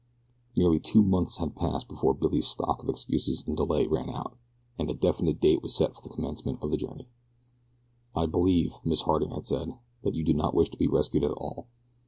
Nearly two months had passed before Billy's stock of excuses and delay ran out, and a definite date was set for the commencement of the journey. "I believe," Miss Harding had said, "that you do not wish to be rescued at all.